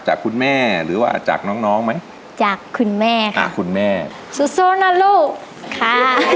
หรือว่าจากน้องไหมจากคุณแม่ค่ะคุณแม่สู้นะลูกค่ะ